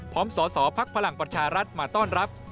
พร้อมสอพักพลังประชารัฐมาต้อนรับ